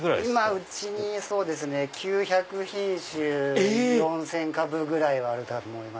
うちに９００品種４０００株ぐらいあると思います。